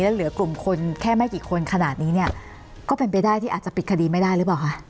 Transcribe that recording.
แล้วเหลือกลุ่มคนแค่ไม่กี่คนขนาดนี้เนี่ยก็เป็นไปได้ที่อาจจะปิดคดีไม่ได้หรือเปล่าคะ